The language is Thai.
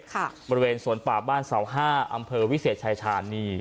บริเวณสวนป่าบ้านเสาห้าอำเภอวิเศษชายชาญนี่